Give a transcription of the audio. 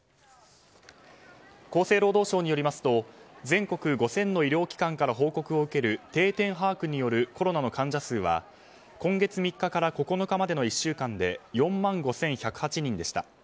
厚生労働省によりますと全国５０００の医療機関から報告を受ける、定点把握によるコロナの患者数は今月３日から９日までの１週間で４万５１０８人でした。